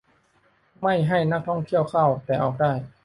- ไม่ให้นักท่องเที่ยวเข้า แต่ออกได้